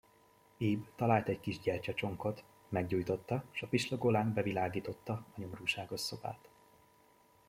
Ib talált egy kis gyertyacsonkot, meggyújtotta, s a pislogó láng bevilágította a nyomorúságos szobát.